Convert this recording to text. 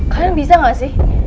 kalian bisa gak sih